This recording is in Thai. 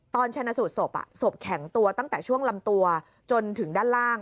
ตอนชนะสูตรศพศพแข็งตัวตั้งแต่ช่วงลำตัวจนถึงด้านล่าง